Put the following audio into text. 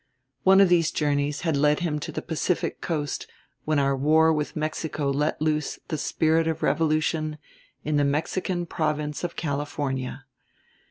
One of these journeys had led him to the Pacific coast when our war with Mexico let loose the spirit of revolution in the Mexican province of California.